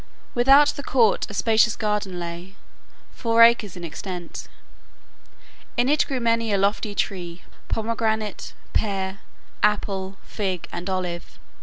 Without the court a spacious garden lay, four acres in extent. In it grew many a lofty tree, pomegranate, pear, apple, fig, and olive.